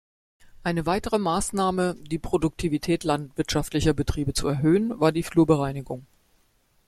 Eine weitere Maßnahme, die Produktivität landwirtschaftlicher Betriebe zu erhöhen, war die Flurbereinigung.